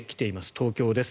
東京です。